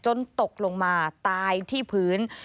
ตกลงมาตายที่พื้น